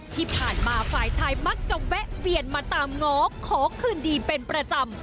ที่ผ่านมาฝ่ายชายมักจะแวะเวียนมาตามง้อขอคืนดีเป็นประจำ